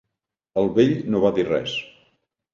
El vell no va dir res.